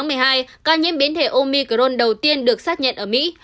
ngày một tháng một mươi hai ca nhiễm biến thể omicron đầu tiên được xác nhận ở mỹ